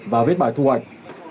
và viết bài thu hoạch